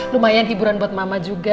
lumayan hiburan buat mama juga